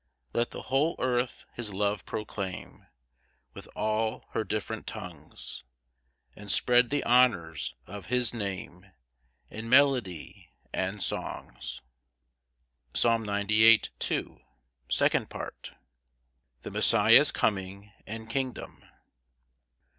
3 Let the whole earth his love proclaim With all her different tongues; And spread the honours of his Name In melody and songs. Psalm 98:2. Second Part. The Messiah's coming and kingdom.